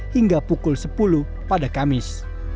hingga pukul sepuluh pada kamis